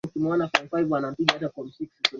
kwa kuwapatia mafunzo wanajeshi binafsi wa Cuba